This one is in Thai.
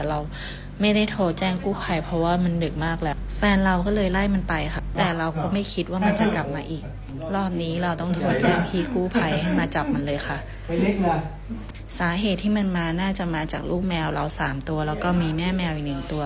แล้วตอนนี้ไปแล้วนี่บ้านมันเมียอรูภว์ตัวเขาใหญ่อ่ะ